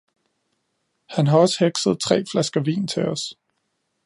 Han har også hekset tre flasker vin til os.